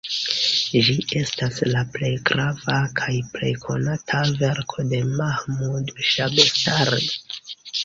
Ĝi estas la plej grava kaj plej konata verko de Mahmud Ŝabestari.